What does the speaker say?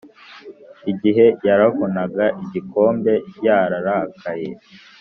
igihe yaravunaga igikombe, yararakaye.